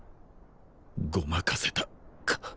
ごまかせたか？